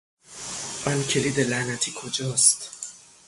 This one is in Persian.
آن کلید لعنتی کجاست؟